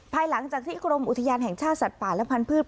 ภายหลังจากที่กรมอุทยานแห่งชาติสัตว์ป่าและพันธุ์